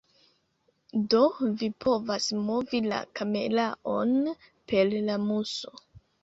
Do vi povas movi la kameraon per la muso.